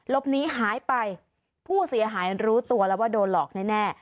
บนี้หายไปผู้เสียหายรู้ตัวแล้วว่าโดนหลอกแน่